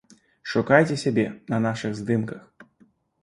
Шукайце сябе на нашых здымках!